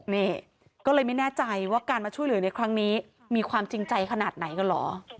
นี่ก็เลยไม่แน่ใจว่าการมาช่วยเหลือในครั้งนี้มีความจริงใจขนาดไหนกันเหรอ